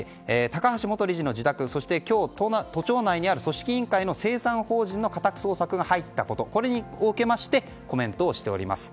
高橋元理事の自宅そして今日、都庁内にある組織委員会の清算法人の家宅捜索が入ったこと、これを受けましてコメントをしています。